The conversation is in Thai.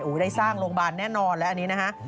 ได้สร้างโรงพยาบาลแน่นอนแล้วอันนี้นะฮะ